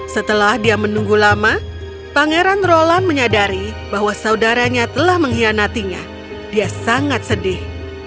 setelah dia menunggu lama pangeran roland menyadari bahwa saudaranya telah mengkhianatinya dia sangat sedih